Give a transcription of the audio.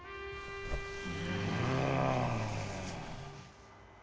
うん。